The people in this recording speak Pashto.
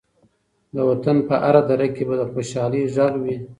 د وطن په هره دره کې به د خوشحالۍ غږ وي.